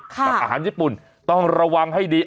กับอาหารญี่ปุ่นต้องระวังให้ดี